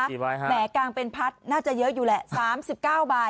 กี่ใบฮะแหมกางเป็นพัดน่าจะเยอะอยู่แหละ๓๙ใบ